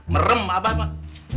merem abah mbah